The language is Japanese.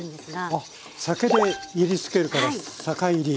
あっ酒でいりつけるから酒いり。